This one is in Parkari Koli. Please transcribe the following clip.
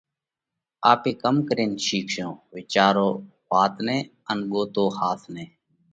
آپي ڪم ڪرينَ شِيکشون؟ وِيچارو وات نئہ ان ڳوتو ۿاس نئہ!